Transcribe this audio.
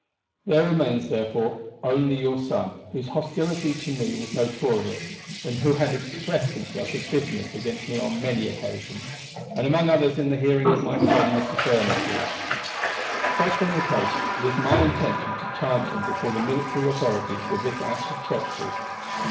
There remains, therefore, only your son, whose hostility to me was notorious, and who had expressed himself with bitterness against me on many occasions, and among others in the hearing of my friend Mr. Furniss here. Such being the case, it is my intention to charge him before the military authorities with this act of treachery.